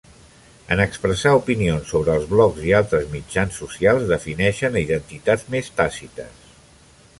En expressar opinions sobre els blogs i altres mitjans socials, defineixen identitats més tàcites.